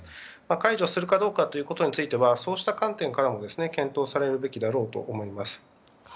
解除するかどうかについてはそうした観点からも検討されるべきだろうと思います。